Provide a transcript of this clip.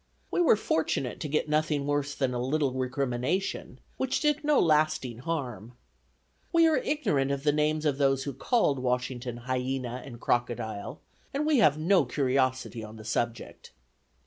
We were fortunate to get nothing worse than a little recrimination, which did no lasting harm. We are ignorant of the names of those who called Washington hyena and crocodile, and we have no curiosity on the subject.